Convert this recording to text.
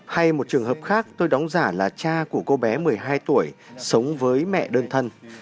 hay một trường hợp khác tôi đóng giả là cha của cô bé một mươi hai tuổi sống với mẹ đơn thân